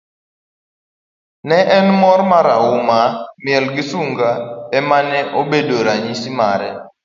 ne en mor marahuma, miel gi sunga ema nene obedo ranyisi mare